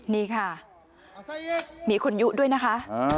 นี่ค่ะมีคุณยุด้วยนะคะ